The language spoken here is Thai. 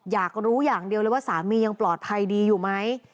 อยากรู้อย่างเดียวเลยว่าสามียังปลอดภัยดีอยู่ไหม